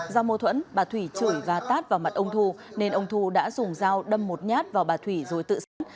do mâu thuẫn bà thủy chửi và tát vào mặt ông thu nên ông thu đã dùng dao đâm một nhát vào bà thủy rồi tự sát